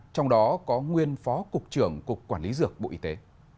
trong đó có nguyên phó cục trưởng cục quản lý dược bộ y tế